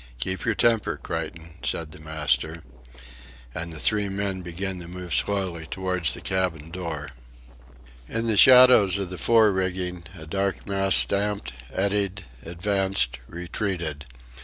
"Keep your temper, Creighton," said the master. And the three men began to move slowly towards the cabin door. In the shadows of the fore rigging a dark mass stamped, eddied, advanced, retreated.